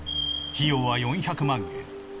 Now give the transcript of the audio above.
費用は４００万円。